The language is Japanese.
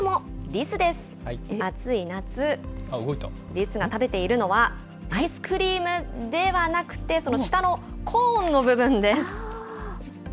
リスが食べているのは、アイスクリームではなくて、その下のコーンの部分です。